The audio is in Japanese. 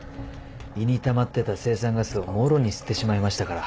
胃にたまってた青酸ガスをもろに吸ってしまいましたから。